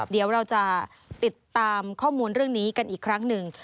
เดี๋ยวเราจะติดตามข้อมูลเรื่องนี้กันอีกครั้งหนึ่ง